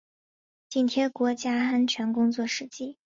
紧贴国家安全工作实际